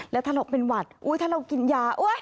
แล้วถ้าเราเป็นหวัดอุ๊ยถ้าเรากินยา